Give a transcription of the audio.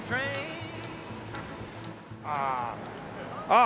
ああ！